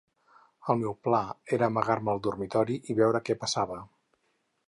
El meu pla era amargar-me al dormitori i veure que passava.